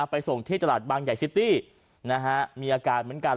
ไปส่งที่ตลาดบางใหญ่ซิตี้มีอาการเหมือนกัน